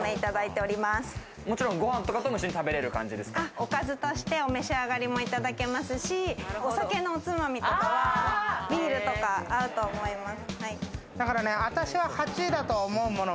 おかずとしてお召し上がりいただけますし、お酒のおつまみとか、ビールとかも合うと思います。